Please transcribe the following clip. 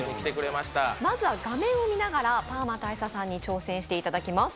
まずは画面を見ながらパーマ大佐さんに挑戦していただきます。